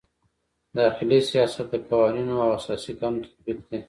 داخلي سیاست د قوانینو او اساسي قانون تطبیق دی.